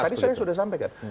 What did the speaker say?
tadi saya sudah sampaikan